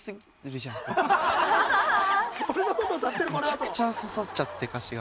めちゃくちゃ刺さっちゃって歌詞が。